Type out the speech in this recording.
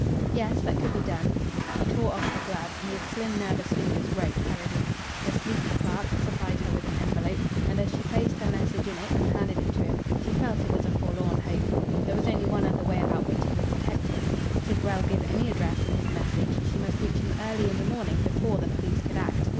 "Yes, that could be done." She tore off her glove, and with slim, nervous fingers wrote hurriedly. The sleek clerk supplied her with an envelope, and as she placed her message in it and handed it to him she felt it was a forlorn hope. There was only one other way of outwitting the detectives. Should Grell give any address in his message, she must reach him early in the morning before the police could act.